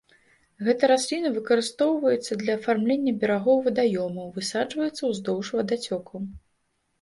Гэта расліна выкарыстоўваецца для афармлення берагоў вадаёмаў, высаджваецца ўздоўж вадацёкаў.